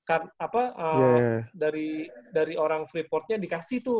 apa dari orang freeport nya dikasih tuh